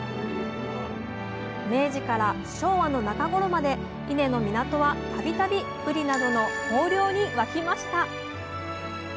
明治から昭和の中頃まで伊根の港は度々ぶりなどの豊漁に沸きました。